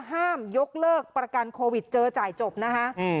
ห้ามยกเลิกประกันโควิดเจอจ่ายจบนะคะ